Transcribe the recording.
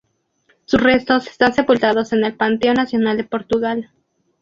Sus restos están sepultados en el Panteón Nacional de Portugal.